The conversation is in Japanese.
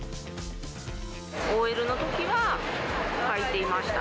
ＯＬのときははいていました。